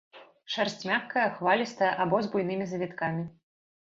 Шэрсць мяккая, хвалістая або з буйнымі завіткамі.